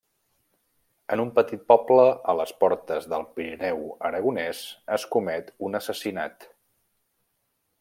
En un petit poble a les portes del Pirineu aragonès es comet un assassinat.